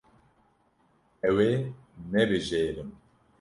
Ew ê nebijêrin.